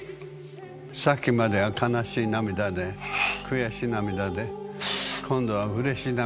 さっきまでは悲しい涙で悔し涙で今度はうれし涙。